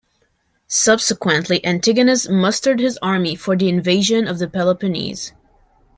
Subsequently, Antigonus mustered his army for the invasion of the Peloponnese.